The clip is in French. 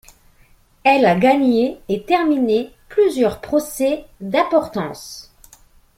Elle a gagné et terminé plusieurs procès d’importance.